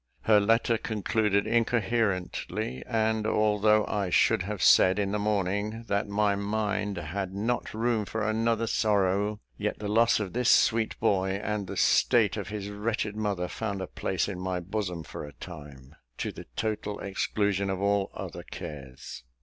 Her letter concluded incoherently; and although I should have said, in the morning, that my mind had not room for another sorrow, yet the loss of this sweet boy, and the state of his wretched mother, found a place in my bosom for a time, to the total exclusion of all other cares.